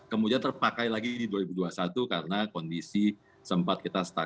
kemudian terpakai lagi di dua ribu dua puluh satu karena kondisi sempat kita stabi